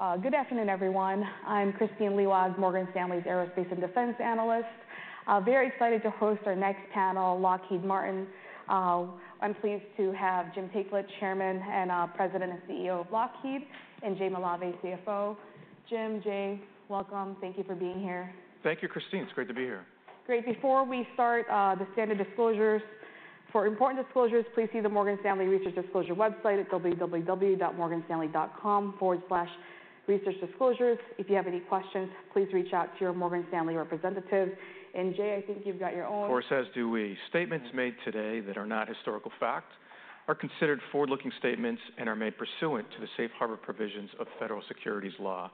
Hello, good afternoon, everyone. I'm Kristine Liwag, Morgan Stanley's Aerospace and Defense analyst. Very excited to host our next panel, Lockheed Martin. I'm pleased to have Jim Taiclet, Chairman, President, and CEO of Lockheed, and Jay Malave, CFO. Jim, Jay, welcome. Thank you for being here. Thank you, Kristine. It's great to be here. Great. Before we start, the standard disclosures. For important disclosures, please see the Morgan Stanley Research Disclosure website at www.morganstanley.com/researchdisclosures. If you have any questions, please reach out to your Morgan Stanley representative, and Jay, I think you've got your own. Of course, as do we. Statements made today that are not historical fact are considered forward-looking statements and are made pursuant to the safe harbor provisions of federal securities law.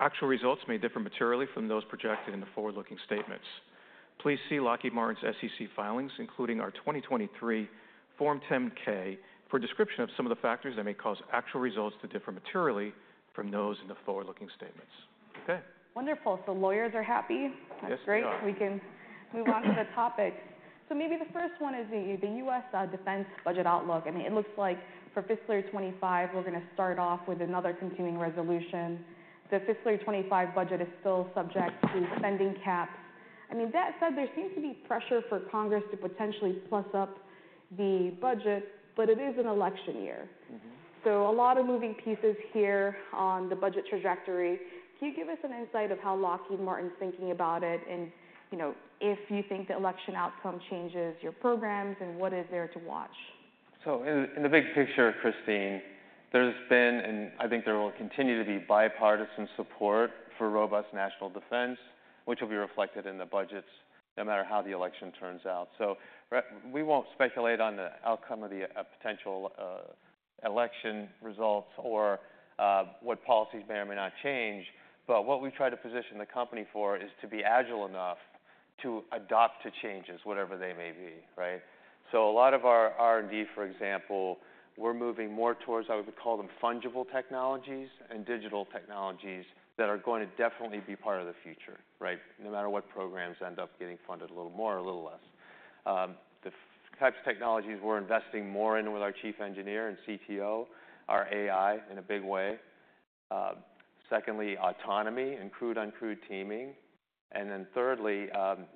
Actual results may differ materially from those projected in the forward-looking statements. Please see Lockheed Martin's SEC filings, including our 2023 Form 10-K, for a description of some of the factors that may cause actual results to differ materially from those in the forward-looking statements. Okay. Wonderful. So lawyers are happy? Yes, we are. That's great. We can move on to the topics. So maybe the first one is the U.S. defense budget outlook, and it looks like for fiscal year twenty-five, we're gonna start off with another Continuing Resolution. The fiscal year twenty-five budget is still subject to spending caps. I mean, that said, there seems to be pressure for Congress to potentially plus up the budget, but it is an election year. Mm-hmm. So a lot of moving pieces here on the budget trajectory. Can you give us an insight of how Lockheed Martin's thinking about it and, you know, if you think the election outcome changes your programs, and what is there to watch? In the big picture, Kristine, there's been, and I think there will continue to be, bipartisan support for robust national defense, which will be reflected in the budgets no matter how the election turns out. We won't speculate on the outcome of the potential election results or what policies may or may not change, but what we've tried to position the company for is to be agile enough to adapt to changes, whatever they may be, right? So a lot of our R&D, for example, we're moving more towards, I would call them, fungible technologies and digital technologies that are going to definitely be part of the future, right? No matter what programs end up getting funded a little more or a little less. The types of technologies we're investing more in with our Chief Engineer and CTO are AI, in a big way. Secondly, autonomy and crewed/uncrewed teaming, and then thirdly,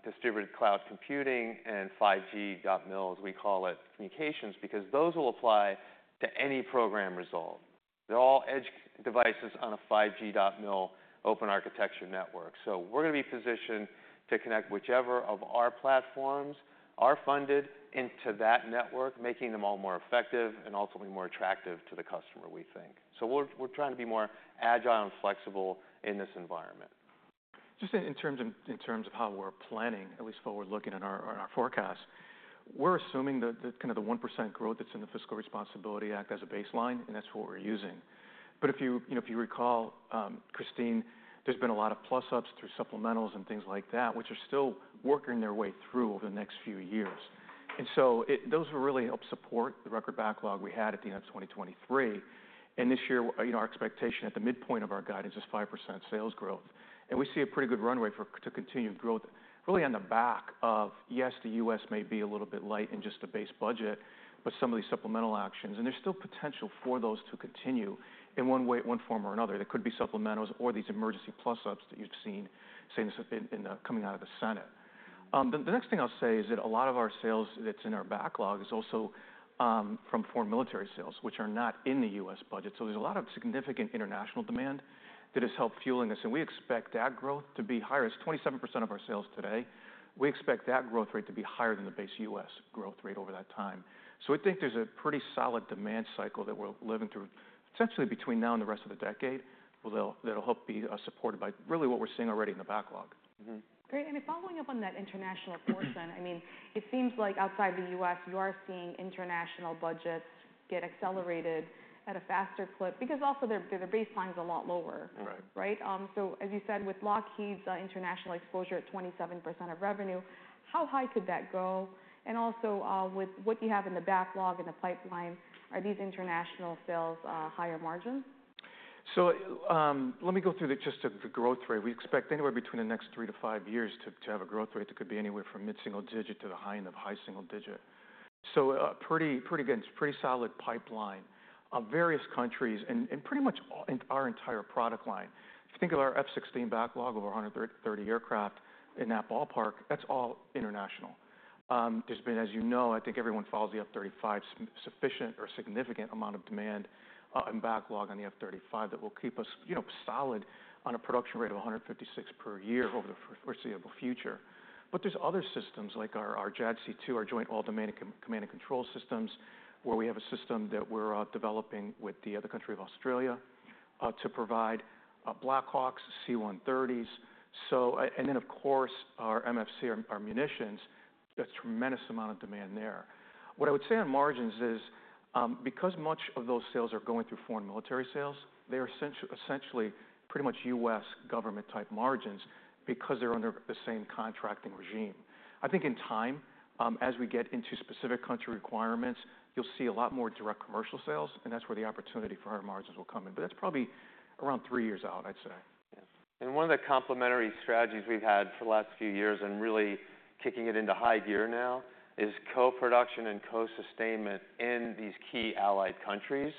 distributed cloud computing and 5G.MIL, as we call it, communications, because those will apply to any program result. They're all edge devices on a 5G.MIL open architecture network. We're gonna be positioned to connect whichever of our platforms are funded into that network, making them all more effective and ultimately more attractive to the customer, we think. We're trying to be more agile and flexible in this environment. Just in terms of how we're planning, at least forward-looking in our forecast, we're assuming that the kind of 1% growth that's in the Fiscal Responsibility Act as a baseline, and that's what we're using. But if you, you know, if you recall, Kristine, there's been a lot of plus-ups through supplementals and things like that, which are still working their way through over the next few years. And so those will really help support the record backlog we had at the end of 2023. And this year, you know, our expectation at the midpoint of our guidance is 5% sales growth, and we see a pretty good runway for to continue growth really on the back of, yes, the U.S. may be a little bit light in just a base budget, but some of these supplemental actions, and there's still potential for those to continue in one way, one form or another. There could be supplementals or these emergency plus-ups that you've seen in the coming out of the Senate. The next thing I'll say is that a lot of our sales that's in our backlog is also from Foreign Military Sales, which are not in the U.S. budget. So there's a lot of significant international demand that has helped fueling this, and we expect that growth to be higher. It's 27% of our sales today. We expect that growth rate to be higher than the base U.S. growth rate over that time. So we think there's a pretty solid demand cycle that we're living through, essentially between now and the rest of the decade, well, that'll help be supported by really what we're seeing already in the backlog. Mm-hmm. Great. And then following up on that international portion, I mean, it seems like outside the U.S., you are seeing international budgets get accelerated at a faster clip because also their, their baseline is a lot lower. Right. Right? So as you said, with Lockheed's international exposure at 27% of revenue, how high could that go? And also, with what you have in the backlog and the pipeline, are these international sales higher margin? So, let me go through just the growth rate. We expect anywhere between the next three to five years to have a growth rate that could be anywhere from mid-single digit to the high end of high single digit. So, pretty, pretty good, pretty solid pipeline of various countries and pretty much all in our entire product line. If you think of our F-16 backlog of over 130 aircraft in that ballpark, that's all international. There's been, as you know, I think everyone follows the F-35, sufficient or significant amount of demand and backlog on the F-35 that will keep us, you know, solid on a production rate of 156 per year over the foreseeable future. But there's other systems like our JADC2, our Joint All-Domain Command and Control systems, where we have a system that we're developing with another country, Australia to provide Black Hawks, C-130s, so. And then, of course, our MFC, our munitions. There's tremendous amount of demand there. What I would say on margins is, because much of those sales are going through Foreign Military Sales, they're essentially pretty much U.S. government-type margins because they're under the same contracting regime. I think in time, as we get into specific country requirements, you'll see a lot more Direct Commercial Sales, and that's where the opportunity for higher margins will come in, but that's probably around three years out, I'd say.... And one of the complementary strategies we've had for the last few years, and really kicking it into high gear now, is co-production and co-sustainment in these key allied countries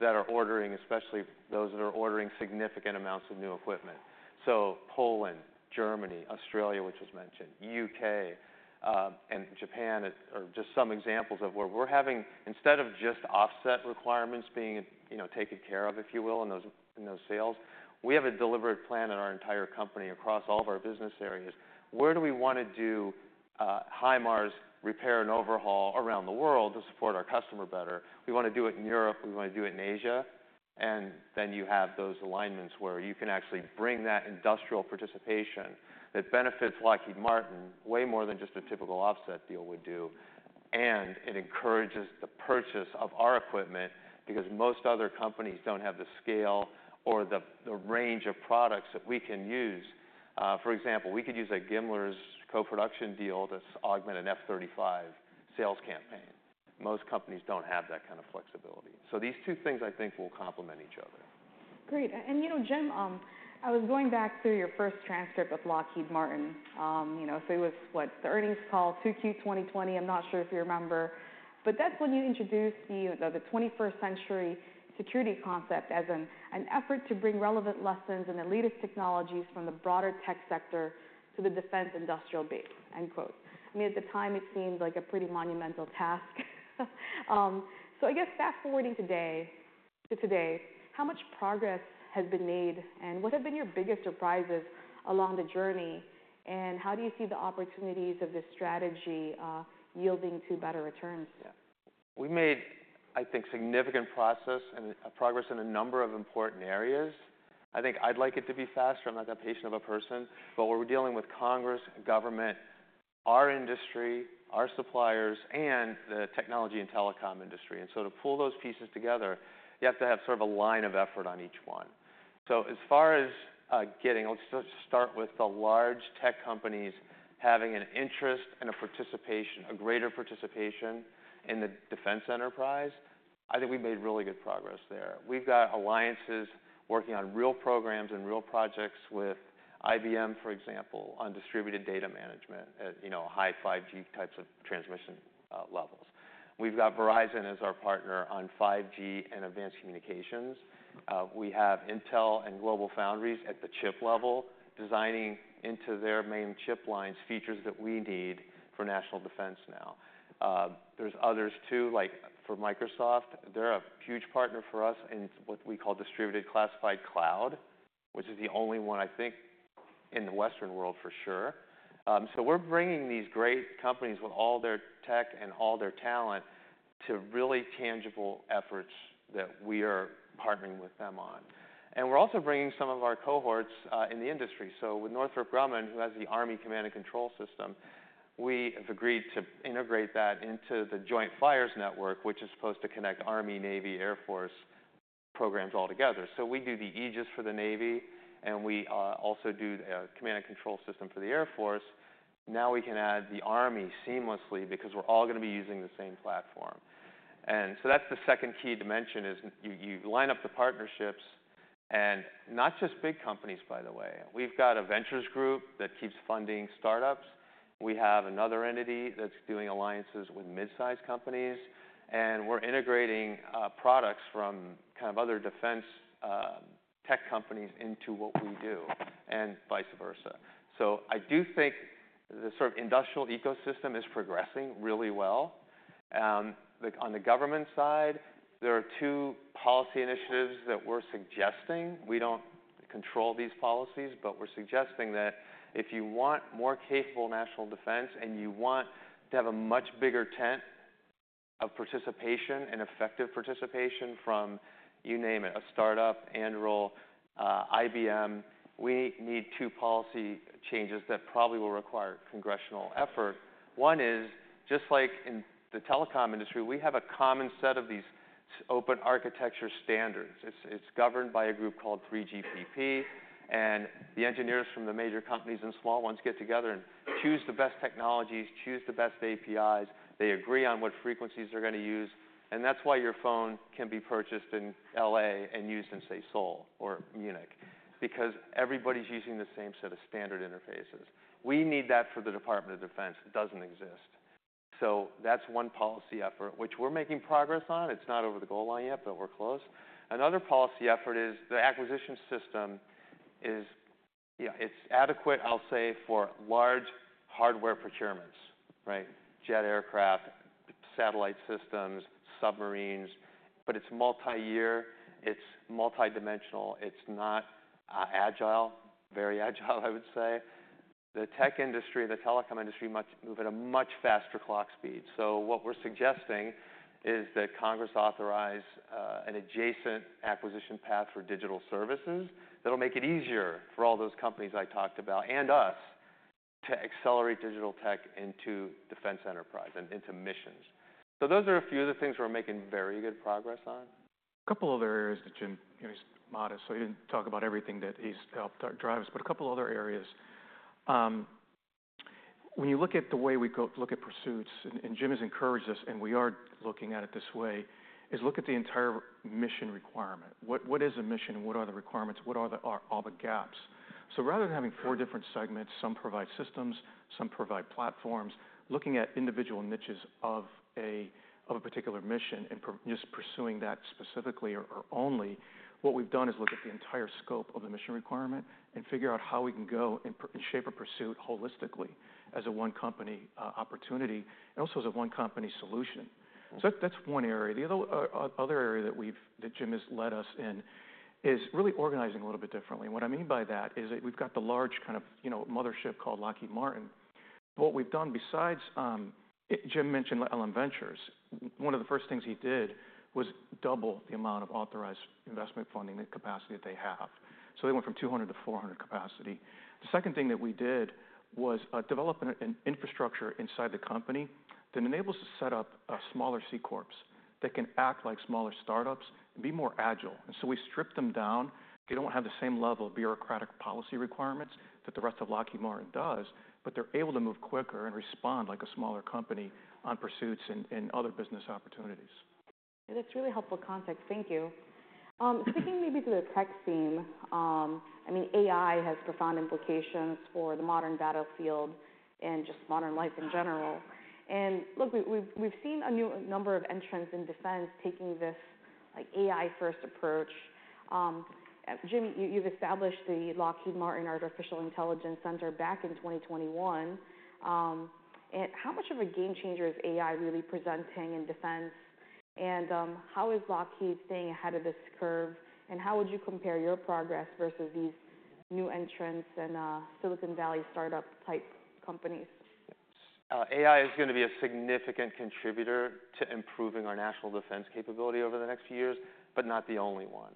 that are ordering, especially those that are ordering significant amounts of new equipment. So Poland, Germany, Australia, which was mentioned, UK, and Japan are just some examples of where we're having, instead of just offset requirements being, you know, taken care of, if you will, in those, in those sales, we have a deliberate plan in our entire company across all of our business areas. Where do we want to do HIMARS repair and overhaul around the world to support our customer better? We want to do it in Europe, we want to do it in Asia, and then you have those alignments where you can actually bring that industrial participation that benefits Lockheed Martin way more than just a typical offset deal would do, and it encourages the purchase of our equipment, because most other companies don't have the scale or the, the range of products that we can use. For example, we could use a GMLRS co-production deal to augment an F-35 sales campaign. Most companies don't have that kind of flexibility. These two things, I think, will complement each other. Great. And, you know, Jim, I was going back through your first transcript with Lockheed Martin. You know, so it was, what? The earnings call, 2Q 2020. I'm not sure if you remember, but that's when you introduced the 21st Century Security concept as an, "An effort to bring relevant lessons and the latest technologies from the broader tech sector to the defense industrial base," end quote. I mean, at the time, it seemed like a pretty monumental task. So I guess fast-forwarding today, how much progress has been made, and what have been your biggest surprises along the journey, and how do you see the opportunities of this strategy yielding to better returns? We've made, I think, significant process and progress in a number of important areas. I think I'd like it to be faster. I'm not that patient of a person, but we're dealing with Congress, government, our industry, our suppliers, and the technology and telecom industry, and so to pull those pieces together, you have to have sort of a line of effort on each one, so as far as. Let's just start with the large tech companies having an interest and a participation, a greater participation in the defense enterprise. I think we've made really good progress there. We've got alliances working on real programs and real projects with IBM, for example, on distributed data management at, you know, high 5G types of transmission, levels. We've got Verizon as our partner on 5G and advanced communications. We have Intel and GlobalFoundries at the chip level, designing into their main chip lines, features that we need for national defense now. There's others too, like for Microsoft, they're a huge partner for us in what we call distributed classified cloud, which is the only one, I think, in the Western world for sure, so we're bringing these great companies with all their tech and all their talent to really tangible efforts that we are partnering with them on, and we're also bringing some of our cohorts in the industry, so with Northrop Grumman, who has the Army Command and Control system, we have agreed to integrate that into the Joint Fires Network, which is supposed to connect Army, Navy, Air Force programs all together. So we do the Aegis for the Navy, and we also do the Command and Control system for the Air Force. Now, we can add the Army seamlessly because we're all going to be using the same platform. And so that's the second key dimension, is you line up the partnerships and not just big companies, by the way. We've got a ventures group that keeps funding startups. We have another entity that's doing alliances with mid-size companies, and we're integrating products from kind of other defense tech companies into what we do and vice versa. So I do think the sort of industrial ecosystem is progressing really well. On the government side, there are two policy initiatives that we're suggesting. We don't control these policies, but we're suggesting that if you want more capable national defense and you want to have a much bigger tent of participation and effective participation from, you name it, a startup, Anduril, IBM, we need two policy changes that probably will require congressional effort. One is, just like in the telecom industry, we have a common set of these open architecture standards. It's governed by a group called 3GPP, and the engineers from the major companies and small ones get together and choose the best technologies, choose the best APIs. They agree on what frequencies they're going to use, and that's why your phone can be purchased in LA and used in, say, Seoul or Munich, because everybody's using the same set of standard interfaces. We need that for the Department of Defense. It doesn't exist. So that's one policy effort, which we're making progress on. It's not over the goal line yet, but we're close. Another policy effort is the acquisition system is... Yeah, it's adequate, I'll say, for large hardware procurements, right? Jet aircraft, satellite systems, submarines, but it's multi-year, it's multidimensional, it's not agile, very agile, I would say. The tech industry, the telecom industry, must move at a much faster clock speed. So what we're suggesting is that Congress authorize an adjacent acquisition path for digital services that'll make it easier for all those companies I talked about, and us, to accelerate digital tech into defense enterprise and into missions. So those are a few of the things we're making very good progress on. A couple other areas that Jim, you know, he's modest, so he didn't talk about everything that he's helped drive, but a couple other areas, when you look at the way we look at pursuits, and Jim has encouraged us, and we are looking at it this way, is look at the entire mission requirement. What, what is a mission, and what are the requirements? What are all the gaps? So rather than having four different segments, some provide systems, some provide platforms, looking at individual niches of a particular mission and just pursuing that specifically or only, what we've done is look at the entire scope of the mission requirement and figure out how we can go and shape a pursuit holistically as a one company opportunity, and also as a one company solution. That, that's one area. The other area that Jim has led us in is really organizing a little bit differently. What I mean by that is that we've got the large kind of, you know, mothership called Lockheed Martin. What we've done besides, Jim mentioned LM Ventures. One of the first things he did was double the amount of authorized investment funding capacity that they have, so they went from 200 to 400 capacity. The second thing that we did was develop an infrastructure inside the company that enables to set up smaller C corps that can act like smaller startups and be more agile. And so we stripped them down. They don't have the same level of bureaucratic policy requirements that the rest of Lockheed Martin does, but they're able to move quicker and respond like a smaller company on pursuits and other business opportunities. That's really helpful context. Thank you. Sticking maybe to the tech theme, I mean, AI has profound implications for the modern battlefield and just modern life in general. And look, we've seen a new number of entrants in defense taking this, like, AI-first approach. Jim, you've established the Lockheed Martin Artificial Intelligence Center back in 2021. And how much of a game changer is AI really presenting in defense? And how is Lockheed staying ahead of this curve, and how would you compare your progress versus these new entrants and Silicon Valley startup-type companies? AI is gonna be a significant contributor to improving our national defense capability over the next few years, but not the only one.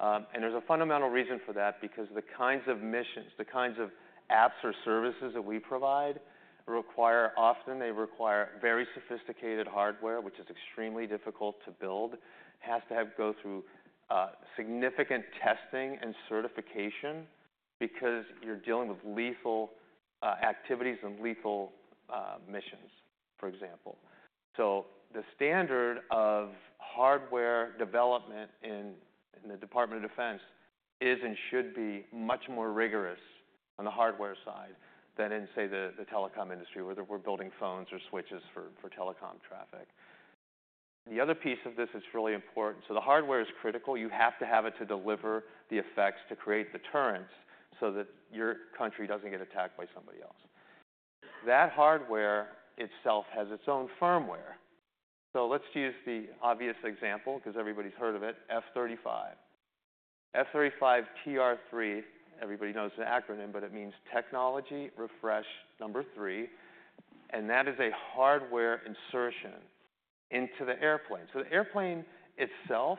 And there's a fundamental reason for that, because the kinds of missions, the kinds of apps or services that we provide require. Often they require very sophisticated hardware, which is extremely difficult to build, has to go through significant testing and certification because you're dealing with lethal activities and lethal missions, for example. So the standard of hardware development in the Department of Defense is, and should be much more rigorous on the hardware side than in, say, the telecom industry, whether we're building phones or switches for telecom traffic. The other piece of this is really important. So the hardware is critical. You have to have it to deliver the effects, to create deterrence so that your country doesn't get attacked by somebody else. That hardware itself has its own firmware. So let's use the obvious example, 'cause everybody's heard of it, F-35. F-35 TR-3, everybody knows it's an acronym, but it means Technology Refresh number three, and that is a hardware insertion into the airplane. So the airplane itself,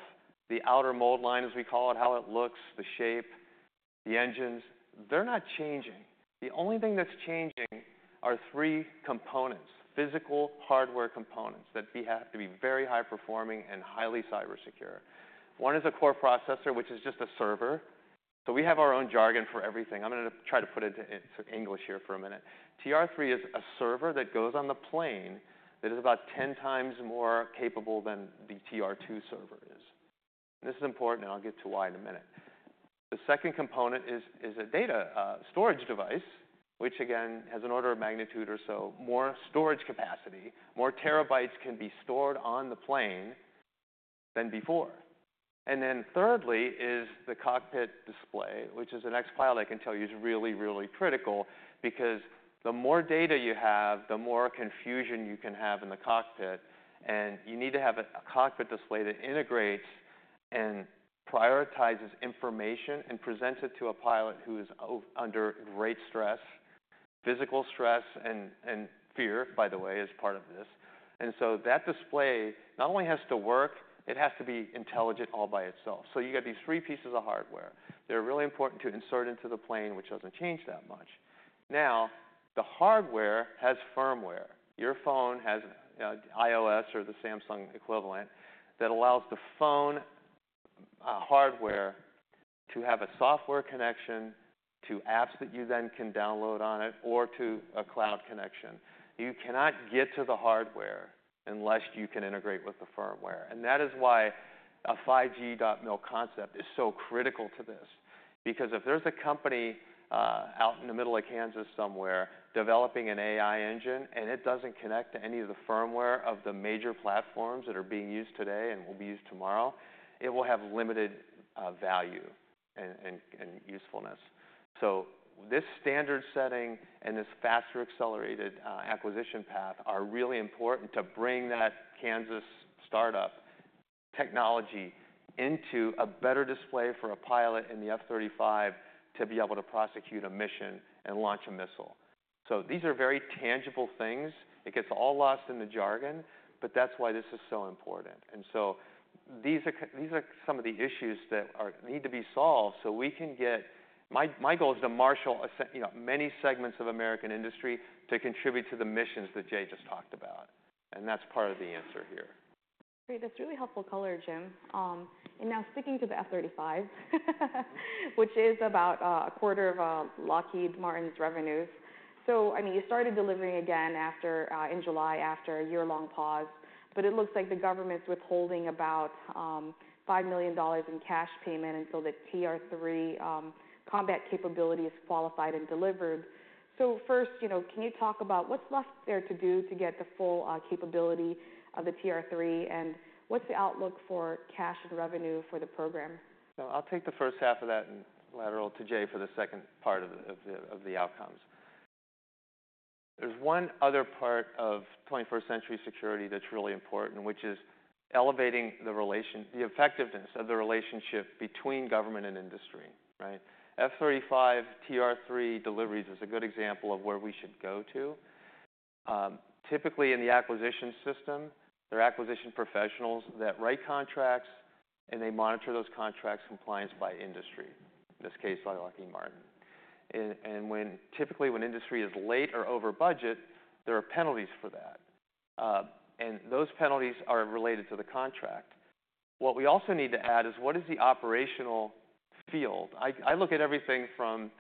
the Outer Mold Line, as we call it, how it looks, the shape, the engines, they're not changing. The only thing that's changing are three components, physical hardware components, that we have to be very high-performing and highly cybersecure. One is a core processor, which is just a server. So we have our own jargon for everything. I'm gonna try to put it into English here for a minute. TR-3 is a server that goes on the plane that is about ten times more capable than the TR-2 server is. This is important, and I'll get to why in a minute. The second component is a data storage device, which again, has an order of magnitude or so more storage capacity, more terabytes can be stored on the plane than before. And then thirdly is the cockpit display, which as an ex-pilot I can tell you, is really, really critical because the more data you have, the more confusion you can have in the cockpit. And you need to have a cockpit display that integrates and prioritizes information and presents it to a pilot who is under great stress, physical stress, and fear, by the way, is part of this. And so that display not only has to work, it has to be intelligent all by itself. So you got these three pieces of hardware. They're really important to insert into the plane, which doesn't change that much. Now, the hardware has firmware. Your phone has iOS or the Samsung equivalent, that allows the phone hardware to have a software connection to apps that you then can download on it or to a cloud connection. You cannot get to the hardware unless you can integrate with the firmware, and that is why a 5G.MIL concept is so critical to this. Because if there's a company out in the middle of Kansas somewhere developing an AI engine, and it doesn't connect to any of the firmware of the major platforms that are being used today and will be used tomorrow, it will have limited value and usefulness, so this standard setting and this faster accelerated acquisition path are really important to bring that Kansas startup technology into a better display for a pilot in the F-35 to be able to prosecute a mission and launch a missile. These are very tangible things. It gets all lost in the jargon, but that's why this is so important, and so these are some of the issues that need to be solved so we can get... My goal is to marshal you know, many segments of American industry to contribute to the missions that Jay just talked about, and that's part of the answer here.... Great, that's really helpful color, Jim. And now sticking to the F-35, which is about a quarter of Lockheed Martin's revenues. So, I mean, you started delivering again after in July, after a year-long pause. But it looks like the government's withholding about $5 million in cash payment until the TR-3 combat capability is qualified and delivered. So first, you know, can you talk about what's left there to do to get the full capability of the TR-3, and what's the outlook for cash and revenue for the program? I'll take the first half of that and lateral to Jay for the second part of the outcomes. There's one other part of 21st Century Security that's really important, which is elevating the effectiveness of the relationship between government and industry, right? F-35, TR-3 deliveries is a good example of where we should go to. Typically in the acquisition system, there are acquisition professionals that write contracts, and they monitor those contracts' compliance by industry, in this case, by Lockheed Martin, and typically, when industry is late or over budget, there are penalties for that, and those penalties are related to the contract. What we also need to add is what is the operational field? I look at everything from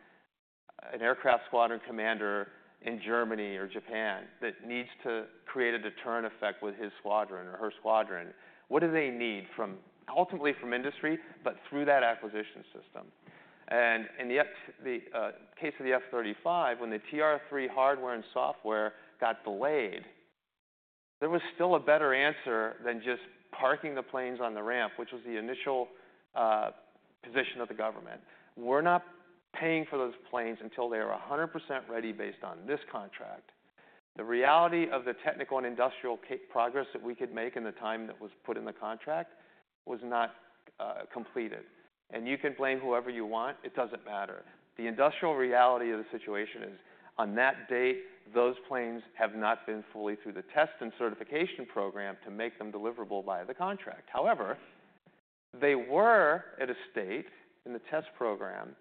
an aircraft squadron commander in Germany or Japan that needs to create a deterrent effect with his squadron or her squadron. What do they need from, ultimately from industry, but through that acquisition system? And in the case of the F-35, when the TR-3 hardware and software got delayed, there was still a better answer than just parking the planes on the ramp, which was the initial position of the government. We're not paying for those planes until they are 100% ready based on this contract. The reality of the technical and industrial progress that we could make in the time that was put in the contract was not completed. And you can blame whoever you want, it doesn't matter. The industrial reality of the situation is, on that date, those planes have not been fully through the test and certification program to make them deliverable via the contract. However, they were at a state in the test program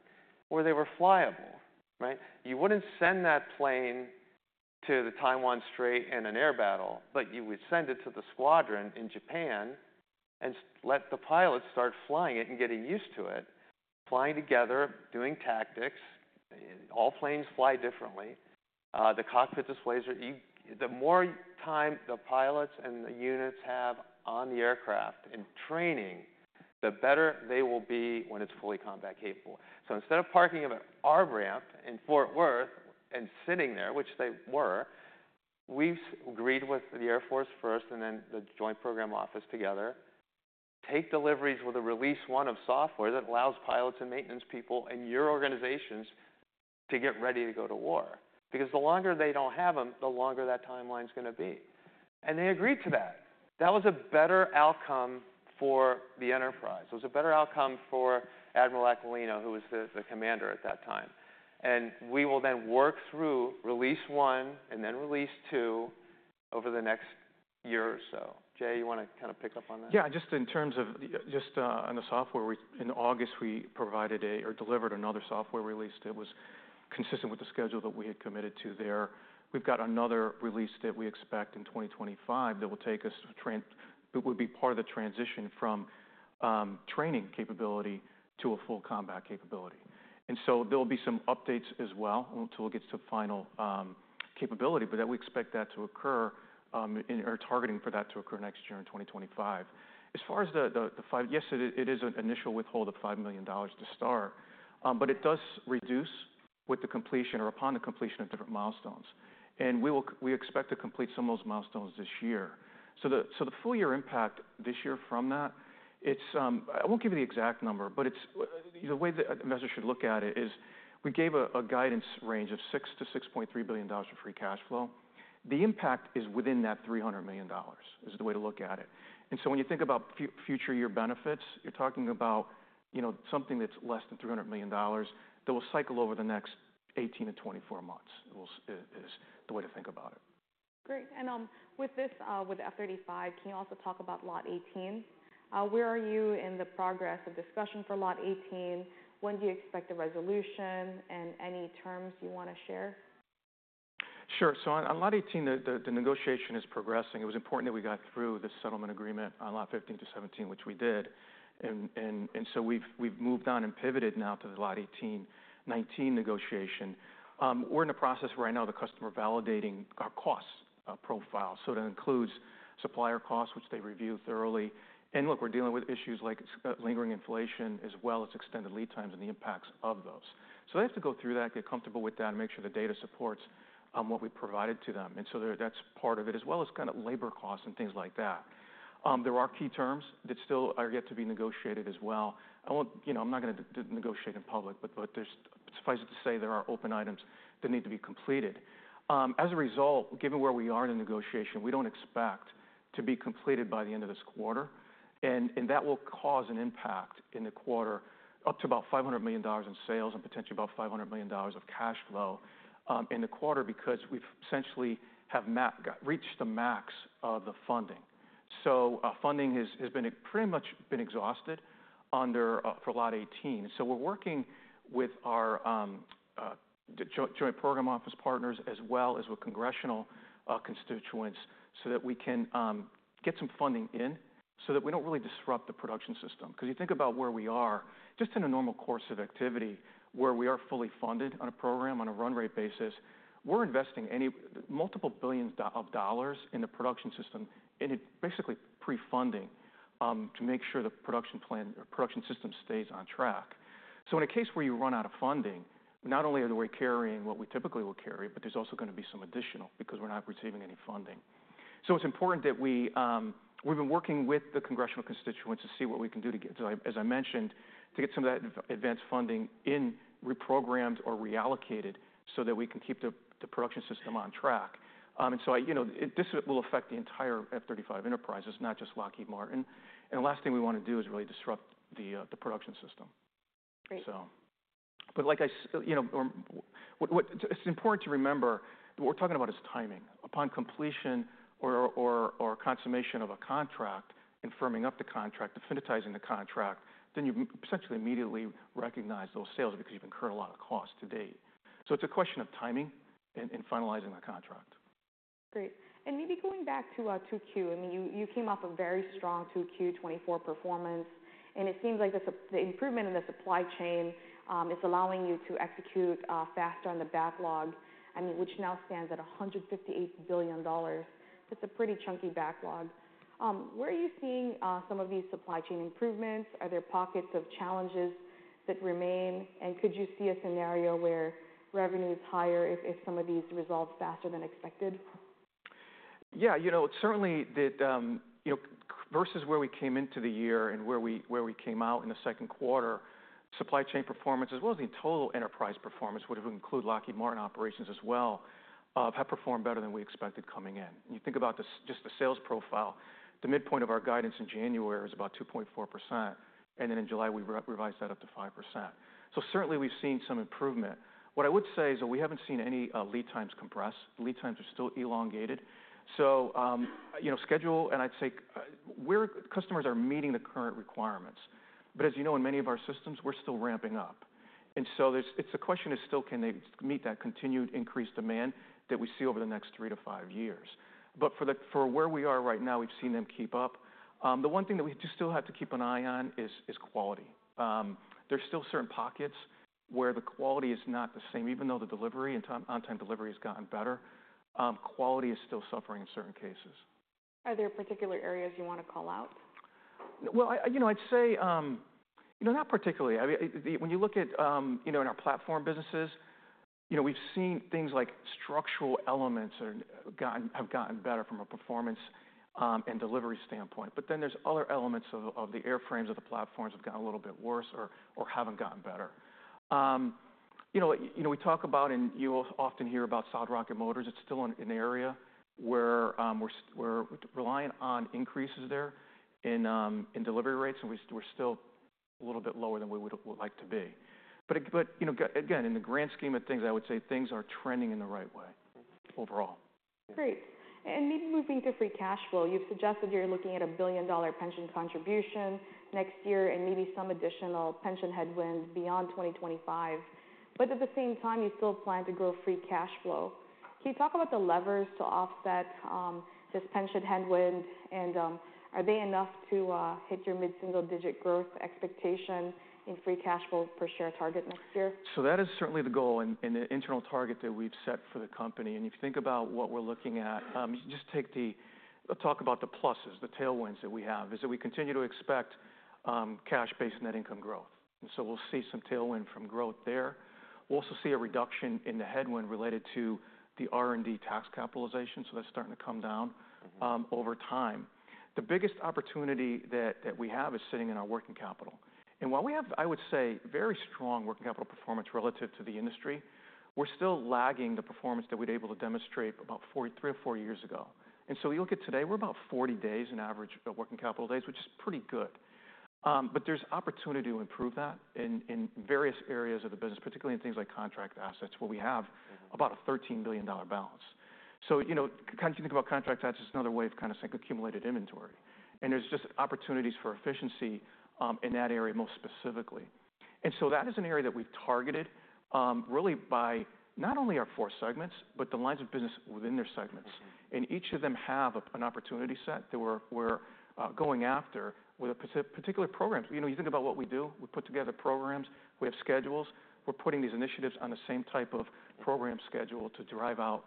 where they were flyable, right? You wouldn't send that plane to the Taiwan Strait in an air battle, but you would send it to the squadron in Japan and let the pilots start flying it and getting used to it, flying together, doing tactics. All planes fly differently. The cockpit displays are the more time the pilots and the units have on the aircraft in training, the better they will be when it's fully combat capable. Instead of parking them at our ramp in Fort Worth and sitting there, which they were, we've agreed with the Air Force first and then the Joint Program Office together to take deliveries with release one of software that allows pilots and maintenance people in your organizations to get ready to go to war. Because the longer they don't have them, the longer that timeline's gonna be. They agreed to that. That was a better outcome for the enterprise. It was a better outcome for Admiral Aquilino, who was the commander at that time. We will then work through release one and then release two over the next year or so. Jay, you wanna kind of pick up on that? Yeah, just in terms of the just on the software, we in August we provided or delivered another software release that was consistent with the schedule that we had committed to there. We've got another release that we expect in 2025 that will be part of the transition from training capability to a full combat capability. And so there'll be some updates as well until it gets to final capability, but then we expect that to occur in our targeting for that to occur next year in 2025. As far as the five, yes, it is an initial withhold of $5 million to start, but it does reduce with the completion or upon the completion of different milestones. And we will, we expect to complete some of those milestones this year. So the full year impact this year from that, it's, I won't give you the exact number, but it's the way the investor should look at it is we gave a guidance range of $6-$6.3 billion for free cash flow. The impact is within that $300 million, is the way to look at it. And so when you think about future year benefits, you're talking about, you know, something that's less than $300 million that will cycle over the next 18-24 months, is the way to think about it. Great. And, with this F-35, can you also talk about Lot 18? Where are you in the progress of discussion for Lot 18? When do you expect a resolution, and any terms you wanna share? Sure. So on Lot 18, the negotiation is progressing. It was important that we got through the settlement agreement on Lot 15 to Lot 17, which we did, and so we've moved on and pivoted now to the Lot 18, Lot 19 negotiation. We're in the process where I know the customer validating our cost profile, so that includes supplier costs, which they review thoroughly. And look, we're dealing with issues like lingering inflation, as well as extended lead times and the impacts of those. So they have to go through that, get comfortable with that, and make sure the data supports what we provided to them. And so that's part of it, as well as kind of labor costs and things like that. There are key terms that still are yet to be negotiated as well. I won't, you know, I'm not gonna negotiate in public, but suffice it to say, there are open items that need to be completed. As a result, given where we are in the negotiation, we don't expect to be completed by the end of this quarter, and that will cause an impact in the quarter up to about $500 million in sales and potentially about $500 million of cash flow in the quarter, because we've essentially have reached the max of the funding. So funding has been pretty much exhausted under for Lot 18. So we're working with our the Joint Program Office partners as well as with congressional constituents, so that we can get some funding in, so that we don't really disrupt the production system. 'Cause you think about where we are, just in a normal course of activity, where we are fully funded on a program on a run rate basis, we're investing multiple billions of dollars in the production system, and it basically pre-funding to make sure the production plan or production system stays on track. So in a case where you run out of funding, not only are we carrying what we typically will carry, but there's also gonna be some additional because we're not receiving any funding. So it's important that we. We've been working with the congressional constituents to see what we can do to get, so as I mentioned, to get some of that advanced funding in, reprogrammed or reallocated so that we can keep the production system on track. And so, you know, this will affect the entire F-35 enterprises, not just Lockheed Martin. And the last thing we wanna do is really disrupt the production system. Great. But like you know, what it's important to remember, what we're talking about is timing. Upon completion or consummation of a contract and firming up the contract, definitizing the contract, then you essentially immediately recognize those sales because you've incurred a lot of costs to date. So it's a question of timing and finalizing the contract. Great. And maybe going back to 2Q, I mean, you came off a very strong 2Q 2024 performance, and it seems like the improvement in the supply chain is allowing you to execute faster on the backlog, I mean, which now stands at $158 billion. It's a pretty chunky backlog. Where are you seeing some of these supply chain improvements? Are there pockets of challenges that remain, and could you see a scenario where revenue is higher if some of these resolve faster than expected? Yeah, you know, certainly did, you know, versus where we came into the year and where we came out in the second quarter, supply chain performance, as well as the total enterprise performance, would have included Lockheed Martin operations as well, have performed better than we expected coming in. You think about just the sales profile, the midpoint of our guidance in January is about 2.4%, and then in July, we revised that up to 5%. So certainly, we've seen some improvement. What I would say is that we haven't seen any lead times compress. Lead times are still elongated. So, you know, schedule, and I'd say, customers are meeting the current requirements, but as you know, in many of our systems, we're still ramping up. It's still a question, can they meet that continued increased demand that we see over the next three to five years? But for where we are right now, we've seen them keep up. The one thing that we just still have to keep an eye on is quality. There's still certain pockets where the quality is not the same. Even though the delivery and on-time delivery has gotten better, quality is still suffering in certain cases. Are there particular areas you wanna call out? Well, you know, I'd say, you know, not particularly. I mean, when you look at, you know, in our platform businesses, you know, we've seen things like structural elements have gotten better from a performance and delivery standpoint. But then there's other elements of the airframes, of the platforms have gotten a little bit worse or haven't gotten better. You know, we talk about, and you'll often hear about solid rocket motors. It's still an area where we're reliant on increases there in delivery rates, and we're still a little bit lower than we would like to be. But, you know, again, in the grand scheme of things, I would say things are trending in the right way overall. Great. And maybe moving to free cash flow. You've suggested you're looking at a $1 billion pension contribution next year and maybe some additional pension headwinds beyond 2025, but at the same time, you still plan to grow free cash flow. Can you talk about the levers to offset this pension headwind, and are they enough to hit your mid-single-digit growth expectation in free cash flow per share target next year? So that is certainly the goal and the internal target that we've set for the company. And if you think about what we're looking at, you can just take the... Let's talk about the pluses, the tailwinds that we have. We continue to expect cash-based net income growth, and so we'll see some tailwind from growth there. We'll also see a reduction in the headwind related to the R&D tax capitalization, so that's starting to come down over time. The biggest opportunity that we have is sitting in our working capital, and while we have, I would say, very strong working capital performance relative to the industry, we're still lagging the performance that we're able to demonstrate about three or four years ago. And so you look at today, we're about 40 days in average of working capital days, which is pretty good. But there's opportunity to improve that in various areas of the business, particularly in things like contract assets, where we have about a $13 billion balance. So, you know, if you think about contract assets, it's another way of kind of like accumulated inventory, and there's just opportunities for efficiency in that area most specifically. And so that is an area that we've targeted really by not only our four segments, but the lines of business within their segments. Mm-hmm. Each of them have an opportunity set that we're going after with particular programs. You know, you think about what we do, we put together programs, we have schedules, we're putting these initiatives on the same type of program schedule to derive out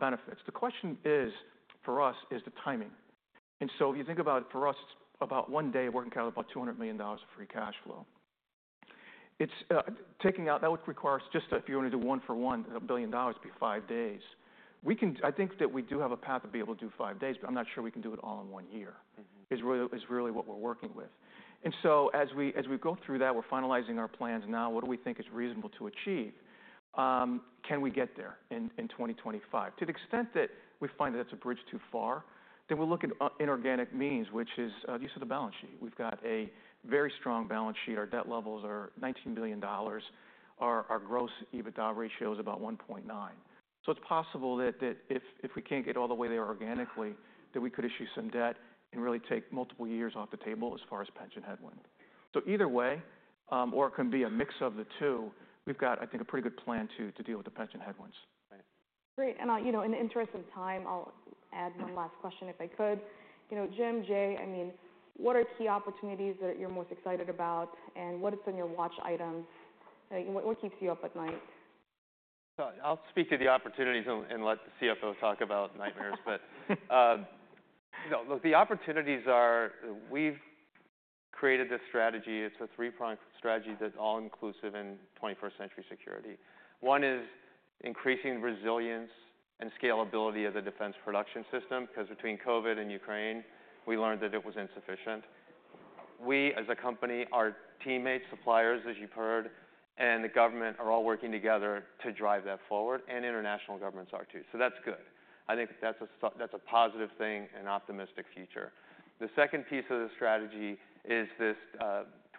benefits. The question is, for us, is the timing. So you think about for us, it's about one day working capital, about $200 million of free cash flow. It's taking out that would require us just if you want to do one for one, $1 billion, it'd be five days. I think that we do have a path to be able to do five days, but I'm not sure we can do it all in one year. Mm-hmm... is really what we're working with. And so as we go through that, we're finalizing our plans now. What do we think is reasonable to achieve? Can we get there in 2025? To the extent that we find that it's a bridge too far, then we'll look at inorganic means, which is the use of the balance sheet. We've got a very strong balance sheet. Our debt levels are $19 billion. Our gross EBITDA ratio is about 1.9. So it's possible that if we can't get all the way there organically, that we could issue some debt and really take multiple years off the table as far as pension headwind.... So either way, or it can be a mix of the two, we've got, I think, a pretty good plan to deal with the pension headwinds. Great. And, you know, in the interest of time, I'll add one last question, if I could. You know, Jim, Jay, I mean, what are key opportunities that you're most excited about, and what is on your watch items? Like, what keeps you up at night? I'll speak to the opportunities and let the CFO talk about nightmares. But you know, look, the opportunities are we've created this strategy. It's a three-pronged strategy that's all inclusive in 21st Century Security. One is increasing resilience and scalability of the defense production system, 'cause between COVID and Ukraine, we learned that it was insufficient. We, as a company, our teammates, suppliers, as you've heard, and the government, are all working together to drive that forward, and international governments are too. So that's good. I think that's a positive thing and optimistic future. The second piece of the strategy is this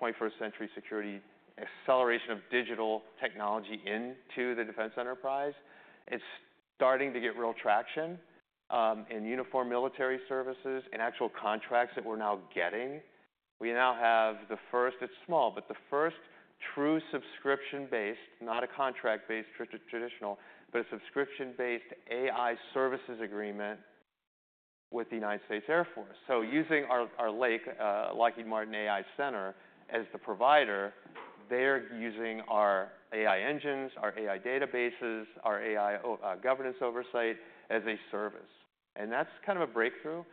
21st Century Security acceleration of digital technology into the defense enterprise. It's starting to get real traction in uniform military services, in actual contracts that we're now getting. We now have the first... It's small, but the first true subscription-based, not a contract-based, traditional, but a subscription-based AI services agreement with the United States Air Force. Using our LAIC, Lockheed Martin AI Center as the provider, they're using our AI engines, our AI databases, our AI governance oversight as a service, and that's kind of a breakthrough.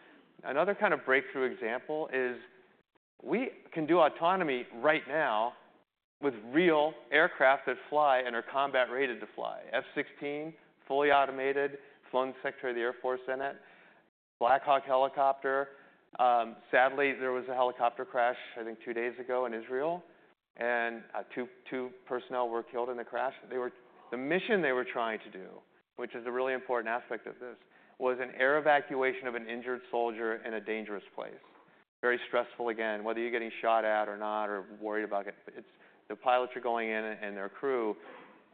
Another kind of breakthrough example is we can do autonomy right now with real aircraft that fly and are combat-rated to fly. F-16, fully automated, flown the Secretary of the Air Force in it. Black Hawk helicopter. Sadly, there was a helicopter crash, I think, two days ago in Israel, and two personnel were killed in the crash. They were the mission they were trying to do, which is a really important aspect of this, was an air evacuation of an injured soldier in a dangerous place. Very stressful, again, whether you're getting shot at or not or worried about it. It's the pilots are going in and their crew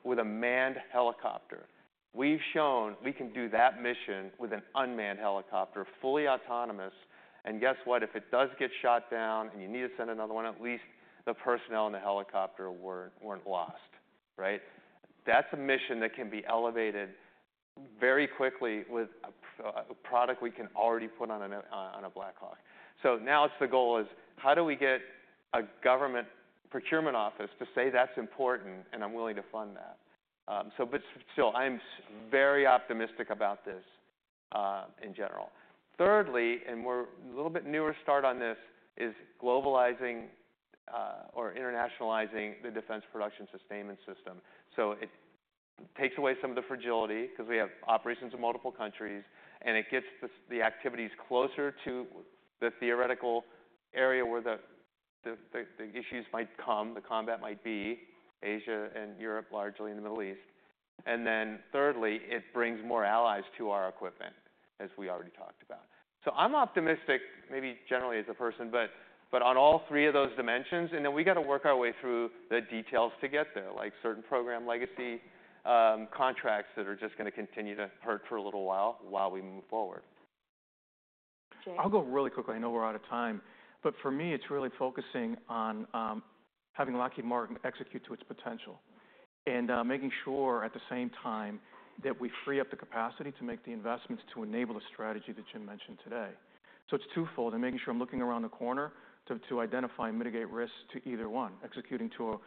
with a manned helicopter. We've shown we can do that mission with an unmanned helicopter, fully autonomous, and guess what? If it does get shot down and you need to send another one, at least the personnel in the helicopter weren't lost, right? That's a mission that can be elevated very quickly with a product we can already put on a Black Hawk. So now it's the goal is: how do we get a government procurement office to say that's important, and I'm willing to fund that? So but still, I'm very optimistic about this in general. Thirdly, and we're a little bit newer start on this, is globalizing or internationalizing the defense production sustainment system. So it takes away some of the fragility because we have operations in multiple countries, and it gets the activities closer to the theoretical area where the issues might come, the combat might be, Asia and Europe, largely, and the Middle East. And then thirdly, it brings more allies to our equipment, as we already talked about. So I'm optimistic, maybe generally as a person, but on all three of those dimensions, and then we got to work our way through the details to get there, like certain program legacy contracts that are just gonna continue to hurt for a little while, while we move forward. Jay? I'll go really quickly. I know we're out of time, but for me, it's really focusing on having Lockheed Martin execute to its potential and making sure at the same time that we free up the capacity to make the investments to enable the strategy that Jim mentioned today, so it's twofold, and making sure I'm looking around the corner to identify and mitigate risks to either one, executing to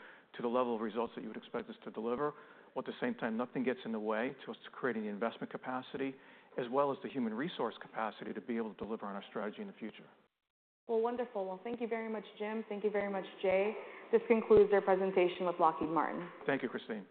the level of results that you would expect us to deliver, but at the same time, nothing gets in the way to us creating the investment capacity as well as the human resource capacity to be able to deliver on our strategy in the future. Wonderful. Thank you very much, Jim. Thank you very much, Jay. This concludes your presentation with Lockheed Martin. Thank you, Kristine.